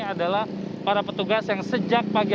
adalah para petugas yang sejak pagi